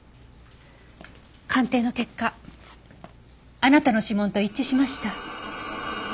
鑑定の結果あなたの指紋と一致しました。